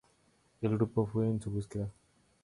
El grupo fue en su búsqueda.